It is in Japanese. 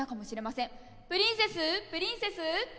プリンセスプリンセス。